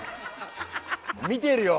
見てるよ。